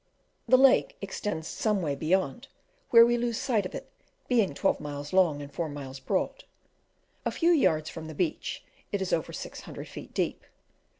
The lake extends some way beyond where we lose sight of it, being twelve miles long and four miles broad. A few yards from the beach it is over six hundred feet deep.